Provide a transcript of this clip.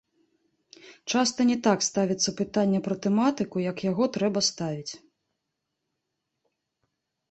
Часта не так ставіцца пытанне пра тэматыку, як яго трэба ставіць.